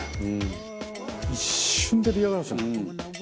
「一瞬で出来上がりましたね」